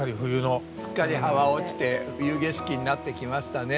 すっかり葉は落ちて冬景色になってきましたね。